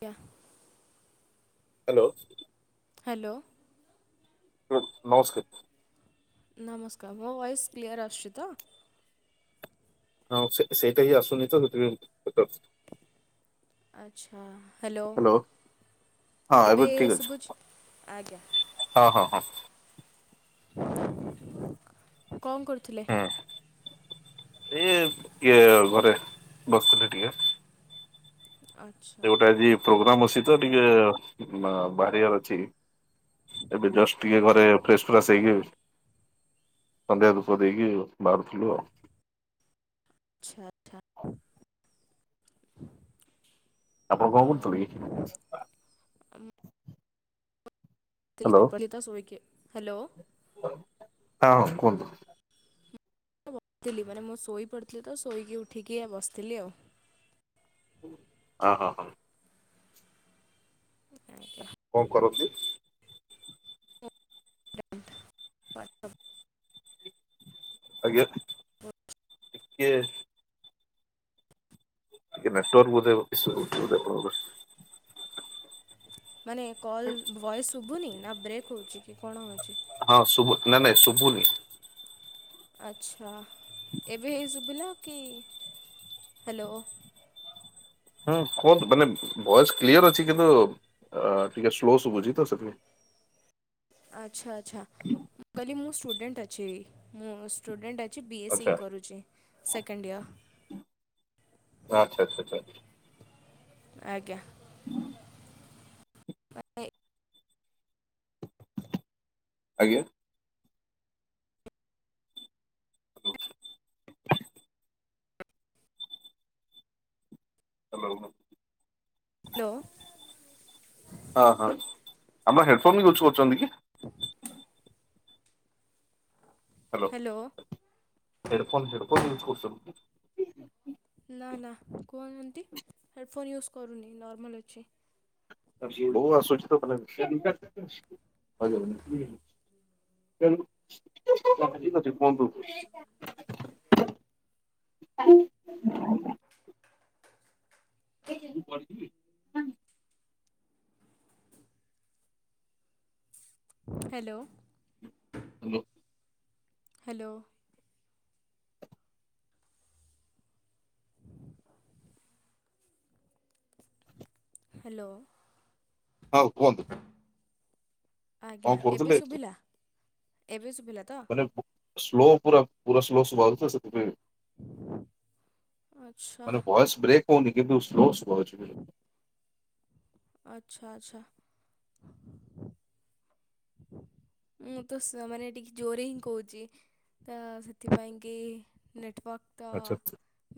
ଆଜ୍ଞା। Hello. Hello. ହଁ ନମସ୍କାର। ନମସ୍କାର। ମୋ ଭଏସ କ୍ଲିୟର ଆସୁଛି ତ? ହଁ ସେଇଟା ହିଁ ଆସୁନି ତ ସେଥିପାଇଁ ପଚାରୁଥିଲି। ଆଚ୍ଛା। ହ୍ୟାଲୋ। ହଁ ଏବେ ଠିକ ଅଛି ଆଜ୍ଞା ହଁ ହଁ ହଁ। କଣ କରୁଥିଲେ? ଇଏ ଇଏ ଘରେ ବସିଥିଲି ଟିକେ। ଆଚ୍ଛା। ଗୋଟେ ଆଜି ପ୍ରୋଗ୍ରାମ ଅଛି ତ ଟିକେ ବାହାରିବାର ଅଛି। ଏବେ ଜଷ୍ଟ ଓ ଟିକେ ଘରେ ଫ୍ରେସ ଫ୍ରାସ ହେଇକି। ସନ୍ଧ୍ୟା ଧୂପ ଦେଇକି ବାହାରୁଥିଲୁ ଆଉ। ଆଛା। ଆପଣ କଣ କରୁଛନ୍ତି? [unintelligible] ହ୍ୟାଲୋ। ହଁ କୁହନ୍ତୁ। ବସିଥିଲି ମାନେ ମୁଁ ଶୋଇ ପଡ଼ିଥିଲି ତ ଶୋଇକି ଉଠିକି ବସିଥିଲି ଆଉ। ଓ ହ ହ। ଆଜ୍ଞା କଣ କରନ୍ତୀ। [unintelligible] ଆଜ୍ଞା। [inaudible] କିଏ? ନେଟୱର୍କ ବୋଧେ ଇସୁ ରହିଛି ବୋଧେ। ମାନେ କଲ୍ ଭୋଏସ୍ ଶୁଭୁନି ନା ବ୍ରେକ ହେଉଛି କି କଣ ହେଉଛି? ନା ନାଇଁ ଶୁଭୁ ନି। ଆଚ୍ଛା ଏବେ ହେଇ ଶୁଭିଲା କି? ହ୍ୟାଲୋ। ହୁଁ କୁହନ୍ତୁ ମାନେ ଭଏସ କ୍ଲିୟର ଅଛି କିନ୍ତୁ ଅ ଟିକେ ସ୍ଲୋ ଶୁଭୁଛି ତ ସେଥିପାଇଁ। [inaudible] ଆଛା ଆଛା କହିଲି ମୁଁ ଷ୍ଟୁଡେଣ୍ଟ ଅଛି ମୁଁ ଷ୍ଟୁଡେଣ୍ଟ - ବି ଏସ୍ ଇ ଆଚ୍ଛା କରୁଛି ସେକେଣ୍ଡ ଇୟର। [unintelligible] ଆଜ୍ଞା। [unintelligible] [unintelligible] ଆଜ୍ଞା। ହାଲୋ। ହ୍ୟାଲୋ। ହଁ ହଁ ଆମର ହେଡଫୋନ ୟୁଜ କରୁଚନ୍ତି କି? ହ୍ୟାଲୋ ହେଡ଼ଫୋନ ହେଡ଼ଫୋନ୍ ୟୁଜ୍ କରୁଚନ୍ତି କି? ନା ନା କୁହନାହାନ୍ତି ହେଡ଼ଫୋନ୍ ୟୁଜ୍ କରୁନି ନର୍ମାଲ୍ ଅଛି। ସ୍ଲୋ ଆସୁଚିତ ମାନେ [inaudible] [inaudible] କୁହନ୍ତୁ। [inaudible] ହ୍ୟାଲୋ। ହାଲୋ। ହ୍ୟାଲୋ। ହ୍ୟାଲୋ। ହଁ କୁହନ୍ତୁ। କଣ ଆଜ୍ଞା ଏବେ କରୁଥିଲେ? ଶୁଭିଲା ଏବେ ଶୁ ମାନେ ସ୍ଲୋ ପୁରା ପୁରା ସ୍ଲୋ ସୁଭାଉଚି ତ ସେଥିପାଇଁ ଆଚ୍ଛା ମାନେ ବସ୍ ବ୍ରେକ୍ ଓ ନି କିନ୍ତୁ ସ୍ଲୋ ସୁଭାଉଛିି ପ ଆଚ୍ଛା ଆଚଛା। ମୁଁ ତ ସ ମାନେ ଟିକେ ଜୋରେ ହିଁ କହୁଚି। ତ ସେଥିପାଇଁକି ନେଟୱାର୍କ ତ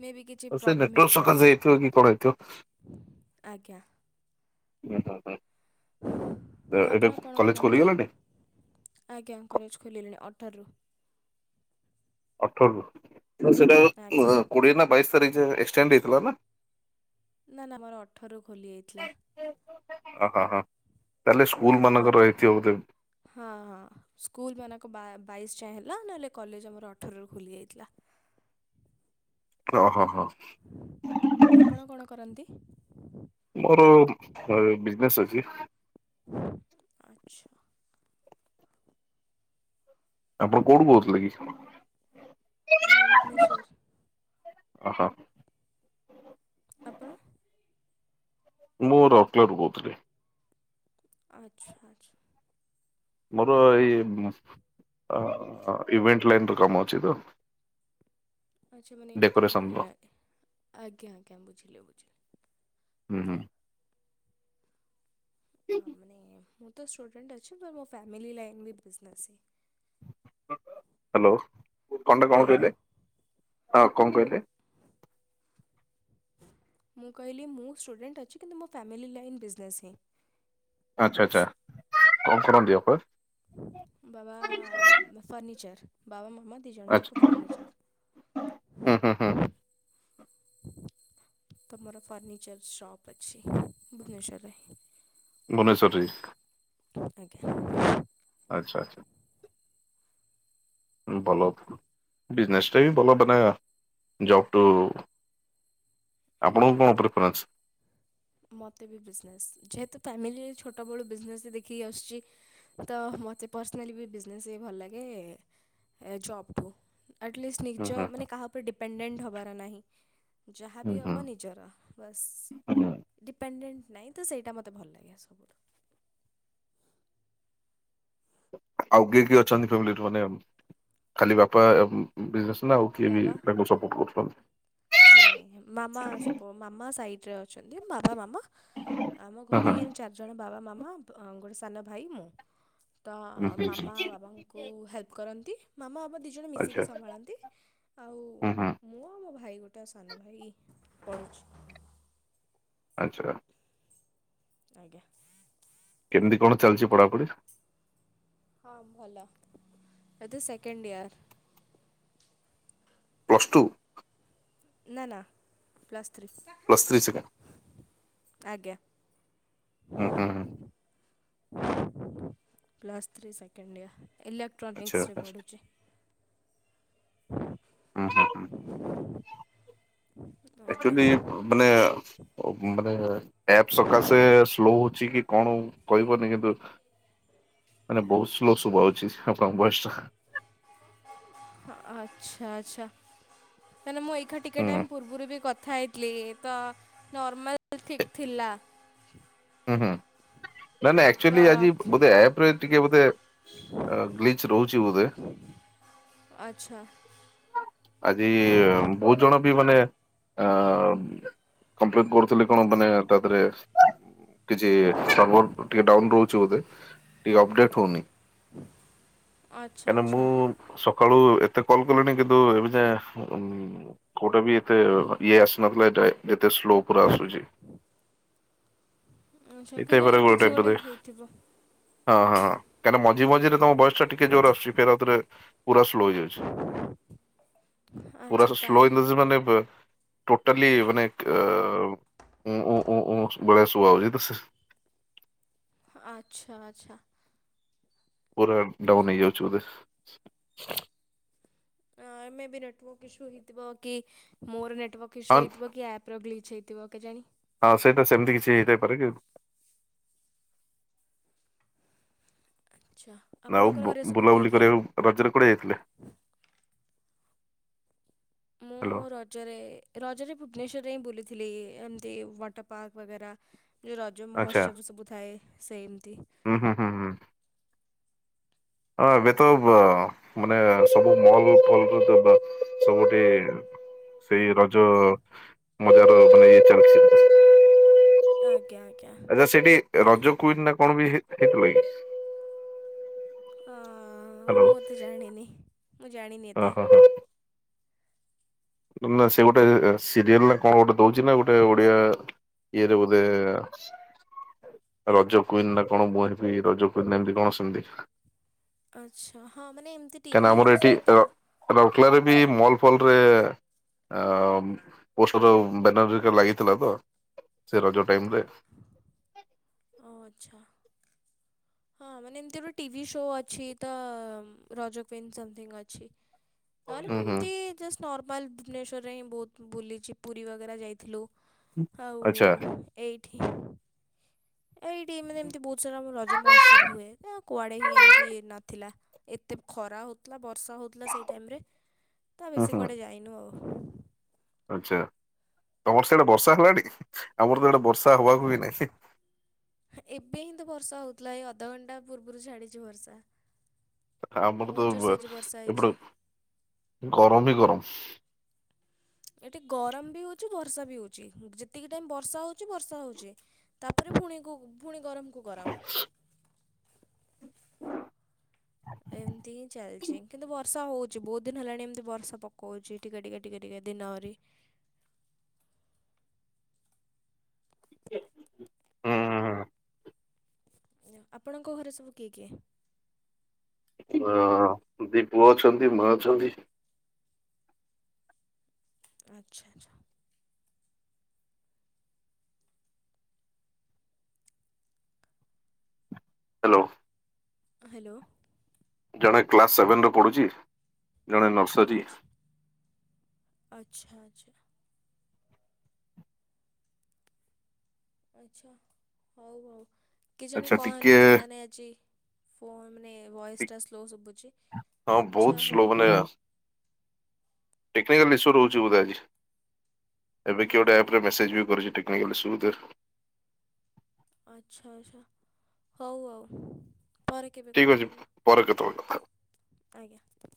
ମେ ବି କିଛି ସେ ପ୍ରୋବ୍ଲେମ୍ ନେଟୱର୍କ ହେଇଥିବ ସକାଶେ ହେଇଥିବ କି କଣ ହେଇଥିବ? ଆଜ୍ଞା। ଓ ହୋ ହୋ। ଆପଣ କଣ କଲେଜ କରନ୍ତି? ଖୋଲିଗଲାଣି? ଆଜ୍ଞା କଲେଜ ଖୋଲିଲାଣି। ଅ ଠରରୁ ଅଠରରୁ। ସେଟା ଆଜ୍ଞା କୋଡିଏ ନା ବାଇଶ? ରେ ଯାଏଁ ଏକ୍ସେଟେଣ୍ଡ ହେଇଥିଲା ନା? ନା ନା ମୋର ଅଠରୁ ଖୋଲି ଯାଇଥିଲା। ଓ ହୋ ହ। ଅଦ୍ ହଁ ହଁ ସ୍କୁଲ ମାନଙ୍କ ବା ବାଇଶ ଯାଏ ହେଲା ନହେଲେ କଲେଜ ଆମର ଅଠରରୁ ଖୋଲି ଯାଇଥିଲା। ଓହୋ ହୋ। ଆପଣ କଣ କରନ୍ତି? ମୋର ଏ ବିଜନେସ୍ ଅଛି। ଆଚ୍ଛା। ଆପଣ କୋଉଠୁ କହୁଥିଲେ କି? ମାୋ ଭୁବ୍ନେଶ୍ୱର। ଏଟା ଆପଣ? ମୁଁ ରଅର୍କେଲାରୁ କହୁଥିଲି। ଆଚ୍ଛା ଆଚ୍ଛା। ମୋର ଏଇ ଅ ଇଭେଣ୍ଟ ଲାଇନର କାମ ଅଛି ତ। ଆଚ୍ଛା ମାନେ ଏମିତି, ଡେକୋରେସନ ର ଆଜ୍ଞା ଆଜ୍ଞା ବୁଝିଲି ବୁଝିଲି। ହୁଁ ହୁଁ। ମାନେ ମୁଁ ତ ଷ୍ଟୁଡେଣ୍ଟ ଅଛି, ତ ମୋ ଫ୍ୟାମିଲି ଲାଇନ୍ ବି ବିଜନେସ୍ ହିଁ। ହାଲୋ କଣଟା କଣ ହ୍ୟାଲୋ କହିଲେ, ହଁ କଣ କହିଲେ? ମୁଁ କହିଲି ମୁଁ ଷ୍ଟୁଡେଣ୍ଟ ଅଛି, କିନ୍ତୁ ମୋ ଫ୍ୟାମିଲି ଲାଇନ୍ ବିଜନେସ୍ ହିଁ। ଆଚ୍ଛା ଆଚ୍ଛା କଣ କରନ୍ତି ବାପା? ବାବା ଫର୍ନିଚର ବାବା ମ ମା ଦି ଜଣ ଆଚ୍ଛା ଯାକ ଫର୍ନିଚର। ହୁଁ ହୁଁ ହୁଁ ତ ମର ଫର୍ନିଚର ଶୋପ ଅଛି ଭୁବନେଶ୍ୱରରେ। ଭବନେସର୍ ଠି? ଆଜ୍ଞା। ଆଚ୍ଛା ଆଚ୍ଛା। ଭଲ ବିଜନସଟା ହିଁ ଭଲ ମାନେ ଜବଠୁ ଆପଣଙ୍କୁ କଣ ପ୍ରିଫରେନ୍ସ? ମୋତେ ବି ବିଜନେସ୍ ଯେହେତୁ ଫ୍ୟାମିଲି ଛୋଟବେେଳୁ ବିଜନେସ୍ ଦେଖିକି ଆସୁଛି ତ ମୋତେ ପର୍ସନାଲି ବି ବିଜନେସ୍ ହିଁ ଭଲ ଲାଗେ ଏ ଜବ୍ ଠୁ। ଆଟଲିଷ୍ଟ ହୁଁ ନିଜ ହୁଁ ମାନେ କାହା ଉପରେ ଡିପେଣ୍ଡେଣ୍ଟ ହେବାର ନାହିଁ। ହୁଁ ଯାହାବି ହବ ହୁଁ ନିଜର ବସ୍। ହୁଁ ଡିପେଣ୍ଡେଣ୍ଟ ନାହିଁ ତ ସେଇଟା ମୋତେ ଭଲ ଲାଗେ ସବୁଠୁ। ଆଉ କିଏ କିଏ ଅଛନ୍ତି ଫାମିଲରେ ମାନେ, ଖାଲି ବାପା ଏ ଉଁ ବିଜନେସ ନା ଆଉ କିଏ ବି ବାବା ତାଙ୍କୁ ସପୋର୍ଟ କରୁଛନ୍ତି? ନାଇଁ ମାମା ସପୋ ମାମା ସାଇଡରେ ଅଛନ୍ତି ବାପା ମାମା। ଆମ ହଁ ଘରେ ହଁ ହିଁ ଆମ ଚାରିଜଣ ବାବା ମାମା ବ ଗୋଟେ ସାନ ଭାଇ ମୁଁ। ତ ହୁଁ ହୁଁ ମାମା ବାବାଙ୍କୁ ହେଲ୍ପ କରନ୍ତି ମାମା ବାବା ଦି ଜଣ ଆଚ୍ଛା ମିଶିକି ସମ୍ଭାଳନ୍ତି ଆଉ ହୁଁ ହୁଁ ମୁଁ ଆଉ ମୋ ଭାଇ ଗୋଟେ ଟା ସାନ ଭାଇ ପଢୁଚି। ଆଚ୍ଛା। ଆଜ୍ଞା। କେମିତି କଣ ଚାଲିଚି ପଢାପୁଢି? ହଁ ଭଲ ଏତେ ସେକଣ୍ଡ ଇୟର। Plus two? ନା ନା plus three plus three second ଆଜ୍ଞା ଉଁ ହୁଁ ହୁ। Plus three second year. ଆଚ୍ଛା ଇଲେକ୍ଟ୍ରୋନିକ୍ସରେ ପଢ଼ୁଚି। ଉଁ ହୁଁ ହୁଁ। ଆଜ୍ଞା ଆକ୍ଚୁଲି ମାନେ ମାନେ ଆପ୍ସ ସକାଶେ ସ୍ଲୋ ହୋଉଚି କି କଣ କହି ପାରୁନି କିନ୍ତୁ ମାନେ ବୋହୁତ ସ୍ଲୋ ଶୁଭା ହୋଉଚି ଆପଣଙ୍କ ଭଏସଟା। ଆଛା ତାହାନେ ମୁଁ ଏଇ ଖା ଟିକେ ହୁଁ ଟାଇମ୍ ପୂର୍ବରୁ ବି କଥ ଥା ହେଇଥିଲି ତ ନର୍ମାଲ ଠିକ ଥିଲା। ହୁଁ ହୁଁ। ନାଇଁ ନାଇଁ ଆକ୍ଚୁଲି ଆଜି ତ ବୋଧେରେ ଟିକେ ବୋଧେ ଗ୍ଲିଚ ରୋହୁଚି ବୋଧେ। ଆଛ। ଆଜି ବୋହୁତ ଜଣ ବି ମାନେ ଆମ୍ କମ୍ପ୍ଲେନ୍ କରୁଥିଲେ କଣ ମାନେ ତା ଦେହରେ କିଛି ସର୍ଭର ଟିକେ ଡାଉନ ରୋହୁଚି ବୋଧେ ଟିକେ ଅପଡେଟ ହୋଉନି। ଆଚ୍ଛା କାଇଁ ନା ଆଚ୍ଛା ମୁଁ ସ କାଳୁ ଏତେ କଲ କଲିଣି କିନ୍ତୁ ଏବେ ଯାଏଁ ଉଁ କୋଉଟା ବି ଏତେ ଇଏ ଆସିନଥିଲା। ଏ ଏତେ ସ୍ଲୋ ପୁରା ଆସୁଚି। ଆଚ୍ଛା ହେଇ ଥାଇ ପରେ କେଜାଣି କିଛି ଗୋଟେ [unintelligible] ହେଇଥିବ ହଁ ହଁଁ କାହିଁନା ମଝି ମଝିରେ ତମ ବୟ ସ ଟିକେ ଜୋର ଆସୁଛି ଫେରେ ଆଉ ଥରେ ପୁରା ସ୍ଲୋ ହେଇଯାଉଚି ପୁରା ଆଚ୍ଛା ସ୍ଲୋ ତାହେଲେ ଏଇଟା ହେଇଯାଉଚି ନେଟ୍ ମାନେ ବେ ଟୋ ଟାଲି ମାନେ କେ ଉଁ ଉଁ ଉଁ ଉଁ ଭଳିଆ ସୁବାଯାଉଚି। [unintelligible] ଆଚ୍ଛା ଆଚ୍ଛା। ପୁରା ଡାଉନ୍ ହେଇଯାଉଚି ବୋଧେ। ଅଁ ମେ ବି ନେଟୱାର୍କ ଇସୁ ହେଇଥିବ କି ମୋର ନେଟୱାର୍କ ହଁ ଇସୁ ହେଇଥିବ କି ଆପ ର ବି ଛି ହେଇଥିବ କେଜାଣି ହଁ ସେଇଟା ସେମିତି କିଛି ହେଇଥାଇପାରେ କି ଆଚ୍ଛା ନା ଆଉ ଆପଣଙ୍କର ଘରେ ସବୁ କିଏ ବୁଲାବୁଲି କିଏ କରିବାକୁ ରଜ ରେ କୁଆଡା ଯାଇଥିଲେ? ମୁଁ ହ୍ୟାଲୋ ରଜରେ ରଜରେ ଭୁବନେଶ୍ଵରେ ହିଁ ବୁଲିଥିଲି ଏମିତି ୱାଟର ପାର୍କ ବଗରା। ଯୋଉ ରଜ ଆଚ୍ଛା ମହୋତ୍ସବ ସବୁ ଥାଏ ସେମିତି ହୁଁ ହୁଁ ହୁଁ ହୁଁ। ହଁ ଏବେ ତ ବ ମାନେ ସବୁ ମଲ ଫଲ [unintelligible] ସବୁଠି ସେଇ ରଜ ମଯାର ମାନେ ଇଏ ଚାଲିଚି ଆଜ୍ଞା ଆଜ୍ଞା ଆଚ୍ଛା ସେଠି ତ ରଜ କ୍ଯୁଇନି ନା କଣ ବି ହେଇଥିଲା କି? ହଁ ହ୍ୟାଲୋ ମୁଁ ଏତେ ଜାଣିନି ମୁଁ ଜାଣିନି ହଁ ଏତେ। ହଁ ହଁ ନା ସେ ଗୋଟେ ସିରିଏଲ୍ ନା କଣ ଗୋଟେ ଦଉଚି ନା ଗୋଟେ ଓଡିଆ ଇଏ ରେ ବୋଧେ ରଜ କୁଇନ ନା କଣ ମୁଁ ହେବି ରଜ କୁଇନ ଏମିତି କଣ ସେମତି? ଆଚ୍ଛା ହଁ। ମାନେ ଏମିତି କାହିଁକିନା ଟିଭି ଆମର ଏଠି ଶୋ ତ ରାଲାରେ ବି ମଲ ଫଲରେ ପୋଷର ବାନର ଲାଗିଥିଲା ତ। ସେ ରଜ ଟାଇମରେ। ଓ ଆଚ୍ଛା। ହଁ ମାନେ ଏମିତି ଗୋଟେ ଟିଭି ଶୋ ଅଛି ତ ରଜ କୁଇୱନ୍ ସମଥିଙ୍ଗ ଅଛି। ନହେଲେ ହୁଁ ମୁଁ ହୁଁ। ଏମିତି ଜଷ୍ଟ ନର୍ମାଲ ଭୁବନେଶ୍ୱରରେ ହିଁ ବହୁତ ବୁଲିଛି ପୁରୀ ବଗରା ଯାଇଥିଲୁ। ଆଚ୍ଛା ଆଉ ଏଇଠି। ଏଇଠି ମେ ଏମିତି ବହୁତ ସାରା ମର ରଜ ମହୋତ୍ସବ ହୁଏଉ କୁଆଡେ ହିଁ ଏମିତି ନଥିଲା। ଏତେ ଖରା ହଉଥିଲା ବର୍ଷା ହଉଥିଲା ସେଇ ଟାଇମ ରେ ତା ହୁଁ ବେଶୀ ହୁଁ କୁଆଡେ ଯାଇନୁ ଆଉ। ଆଚ୍ଛା ତମର ସେଇଟା ବର୍ଷା ହେଲାଣି ଆମର ତ ଇଆଡେ ବର୍ଷା ହବାକୁ ବି ନାଇଁ। ଏମିତି ବର୍ଷା ହଉଥିଲା ଏଇ ଅଧଘଣ୍ଟା ପୂର୍ବରୁ ଛାଡିଛି ବର୍ଷା। ଆମର ବହୁତ ତ ଜୋରସେ ଆଜି ବର୍ଷା ହେଇଛି ଏପଟେ ଗରମ ହିଁ ଗରମ। ଏଠି ଗରମ ବି ହଉଛି ବର୍ଷା ବି ହଉଛି ଯେତିକି ଟାଇମ ବର୍ଷା ହଉଛି ବର୍ଷା ହଉଛି ତାପରେ ପୁଣିକୁ ପୁଣି ଗରମକୁ ଗରମ। ଏମିତି ହିଁ ଚଲଚି କିନ୍ତୁ ବର୍ଷା ହଉଛି ବହୁତ ଦିନ ହେଲାଣି ଏମିତି ବର୍ଷା ପକାଉଛି ଟିକେ ଟିକେ ଟିକେ ଟିକେ ଦିନରେ। [inaudible] ହୁଁ। ଆପଣଙ୍କ ଘରେ ସବୁ କିଏ କିଏ? ହଁ ଦି ପୁଅ ଅଛନ୍ତି, ମା ଅଛନ୍ତି। ଆଚ୍ଛା ଆଚ୍ଛା। ହାଲୋ। ହାଲୋ। ଜଣେ କ୍ଲାସ ସେଭେନରେ ପଢୁଛି ଜଣେ ନର୍ସରୀ। ଆଚ୍ଛା ଆଚ୍ଛା ଆଚ୍ଛା। ଆଚ୍ଛା ହଉ ହଉ। କେ ଜାଣି ଆଚ୍ଛା କଣ ଟିକେ ହେଲା ଜଣାନହିଁ ଆଜି ଫୋନ୍ ମାନେ ଭଏସ ଟା ସ୍ଲୋ ଶୁଭୁଛି। ହଁ ଆଚ୍ଛା ବହୁତ ହଉ ସ୍ଲୋ ଆଉ ଟେକିନିକାଲ ଇସ୍ୟୁ ରହୁଛି ବୋଧେ ଆଜି ଏବେ କି ହଁ ଗୋଟେ ମେ ଆପରେ ମେସେଜ ବି କରିଚି ଆକଲେ ସୁଦର୍ ଆଚ୍ଛା ଆଚ୍ଛା ହଉ ହଉ। ଠିକ ଅଛି ପରେ କେତେବେଳେ କଥାହବା? ଆଜ୍ଞା।